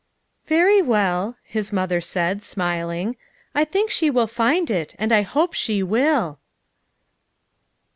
"Very well," his mother said, smiling, "I think she will find it, and I hope she will."